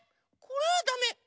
これはダメ！